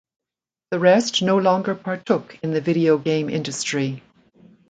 The rest no longer partook in the video game industry.